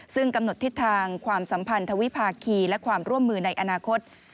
ซึ่งกำหนดทิศทางความสัมพันธวิภาคีและความร่วมมือในอนาคต